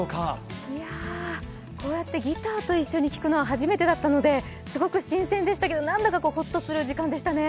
ギターと一緒に聴くのは初めてだったのですごく新鮮でしたけど、なんだかホッとする時間でしたね。